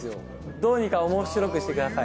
どうにか面白くしてください。